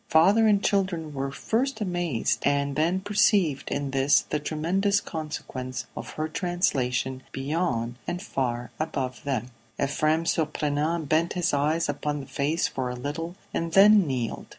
Father and children were at first amazed, and then perceived in this the tremendous consequence of her translation beyond and far above them. Ephrem. Surprenant bent his eyes upon the face for a little, and then kneeled.